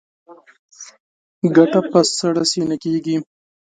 ګټه په سړه سینه کېږي.